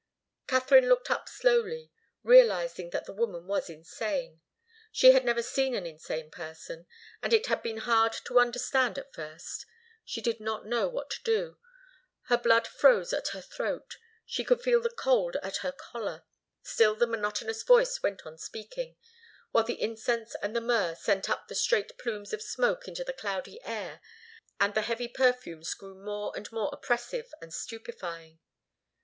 Katharine looked up slowly, realizing that the woman was insane. She had never seen an insane person, and it had been hard to understand at first. She did not know what to do. Her blood froze at her throat she could feel the cold at her collar. Still the monotonous voice went on speaking, while the incense and the myrrh sent up their straight plumes of smoke into the cloudy air, and the heavy perfumes grew more and more oppressive and stupefying.